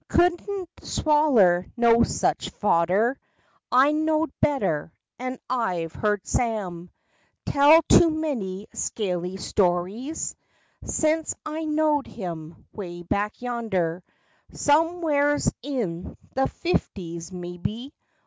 Could n't swaller no sech fodder ! I know'd better. And I've heard Sam Tell too many scaly stories Sence I know'd him—way back yander— Some wheres in the fifties, mebby.